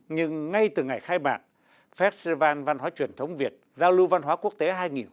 nhưng ngay từ ngày khai mạc festival văn hóa truyền thống việt giao lưu văn hóa quốc tế hai nghìn một mươi chín